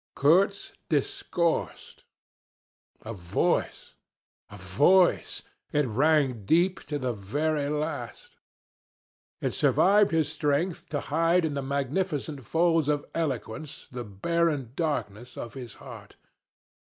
"Kurtz discoursed. A voice! a voice! It rang deep to the very last. It survived his strength to hide in the magnificent folds of eloquence the barren darkness of his heart.